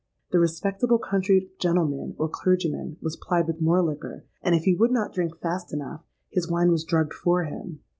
The respectable country gentleman, or clergyman, was plied with more liquor; and, if he would not drink fast enough, his wine was drugged for him.